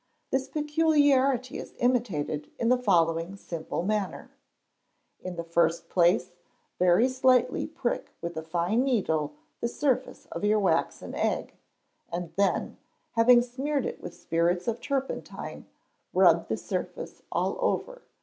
This peculiarity is imitated in the following simple manner: In the first place, very slightly prick with a fine needle the surface of your waxen egg, and then, having smeared it with spirits of turpentine, rub the surface all over.